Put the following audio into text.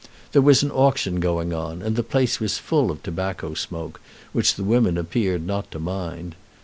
There was an auction going on, and the place was full of tobacco smoke, which the women appeared not to mind.